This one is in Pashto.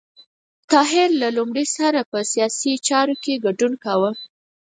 طاهر له لومړي سره په سیاسي چارو کې ګډون کاوه.